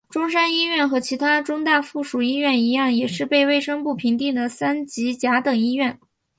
中山一院和其它中大附属医院一样也是被卫生部评定的三级甲等医院。